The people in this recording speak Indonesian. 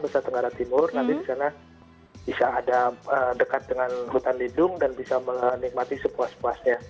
nusa tenggara timur nanti di sana bisa ada dekat dengan hutan lindung dan bisa menikmati sepuas puasnya